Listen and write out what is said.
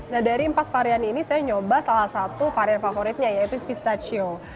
nah dari empat varian ini saya nyoba salah satu varian favoritnya yaitu pistachio